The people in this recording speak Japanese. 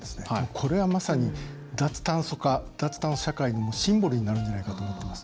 これは、まさに脱炭素社会のシンボルになるんじゃないかと思っています。